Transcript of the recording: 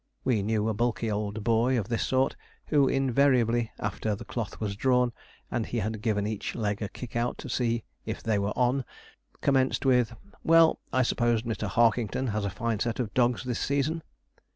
We knew a bulky old boy of this sort, who invariably, after the cloth was drawn, and he had given each leg a kick out to see if they were on, commenced with, 'Well, I suppose, Mr. Harkington has a fine set of dogs this season?'